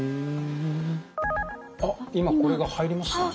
あっ今これが入りましたね。